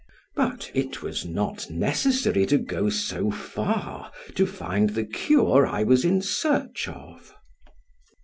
but it was not necessary to go so far to find the cure I was in search of.